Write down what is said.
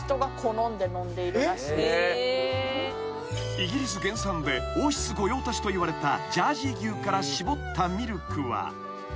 ［イギリス原産で王室御用達といわれたジャージー牛から搾ったミルクは］